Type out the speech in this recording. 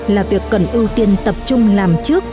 là việc cần ưu tiên tập trung làm trước